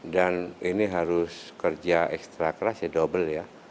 ini harus kerja ekstra keras ya double ya